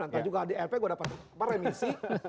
lantai juga di rp gue dapat remisi